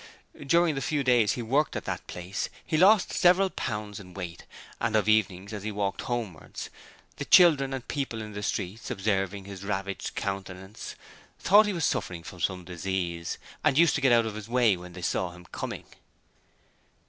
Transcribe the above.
During the few days he worked at that place, he lost several pounds in weight, and of evenings as he walked homewards the children and people in the streets, observing his ravaged countenance, thought he was suffering from some disease and used to get out of his way when they saw him coming.